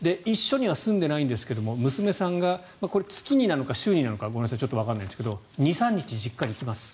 一緒には住んでいないですが娘さんが、月になのか週になのかわからないんですが２３日実家に来ます。